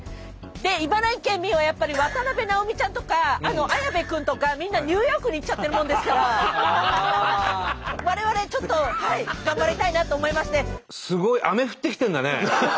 で茨城県民はやっぱり渡辺直美ちゃんとか綾部君とかみんなニューヨークに行っちゃってるもんですから我々ちょっと頑張りたいなと思いまして。